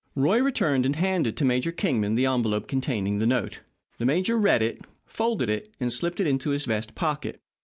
Roy returned and handed to Major Kingman the envelope containing the note. The major read it, folded it, and slipped it into his vest pocket.